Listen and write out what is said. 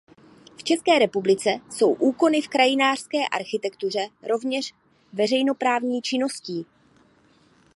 V České republice jsou úkony v krajinářské architektuře rovněž veřejnoprávní činností.